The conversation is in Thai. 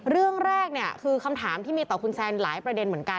เรื่องแรกเนี่ยคือคำถามที่มีต่อคุณแซนหลายประเด็นเหมือนกัน